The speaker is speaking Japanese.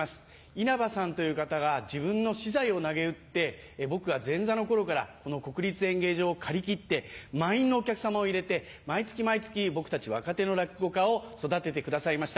イナバさんという方が自分の私財をなげうって僕が前座の頃からこの国立演芸場を借り切って満員のお客さまを入れて毎月毎月僕たち若手の落語家を育ててくださいました。